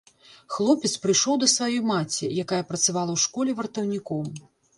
Хлопец прыйшоў да сваёй маці, якая працавала ў школе вартаўніком.